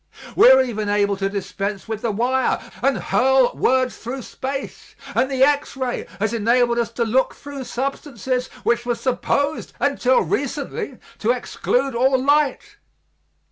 We are even able to dispense with the wire and hurl words through space, and the X ray has enabled us to look through substances which were supposed, until recently, to exclude all light.